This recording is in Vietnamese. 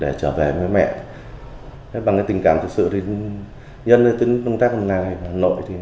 để trở về với mẹ bằng tình cảm thực sự nhân tính công tác hà nội